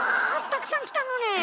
たくさん来たのねえ。